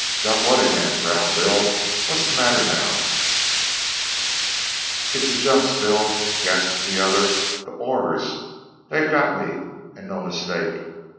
"Got what agin?" growled Bill. "What's the matter now?" "It's the jumps, Bill," gasped the other, "the 'orrors they've got me and no mistake.